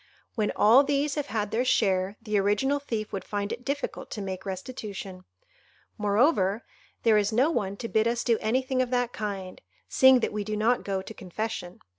When all these have had their share, the original thief would find it difficult to make restitution. Moreover, there is no one to bid us do anything of that kind, seeing that we do not go to confession.